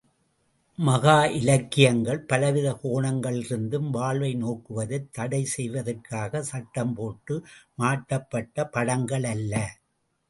மகா இலக்கியங்கள், பலவித கோணங்களிலிருந்தும் வாழ்வை நோக்குவதைத் தடை செய்வதற்காகச் சட்டம் போட்டு மாட்டப்பட்ட படங்கள் அல்ல.